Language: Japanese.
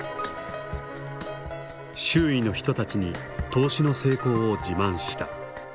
周囲の人たちに投資の成功を自慢した。